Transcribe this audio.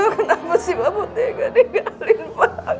kenapa sih ma putih gak ninggalin pak